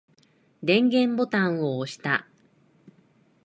電源ボタンを押した。